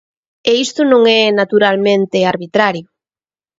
E isto non é, naturalmente, arbitrario.